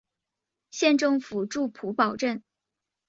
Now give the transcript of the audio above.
县政府驻普保镇。